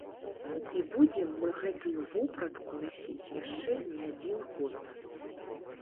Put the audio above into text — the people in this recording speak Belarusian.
І будзем мы гэтую вопратку насіць яшчэ не адзін год.